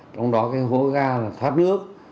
trong đó cái hố ga là tháp nước